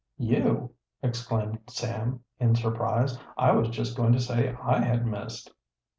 "You!" exclaimed Sam, in surprise. "I was just going to say I had missed."